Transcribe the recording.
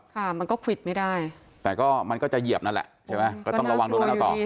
ค่ะมันก็ควิดไม่ได้แต่ก็มันก็จะเหยียบนั่นแหละใช่ไหมก็ต้องระวังตรงนั้นเอาต่อ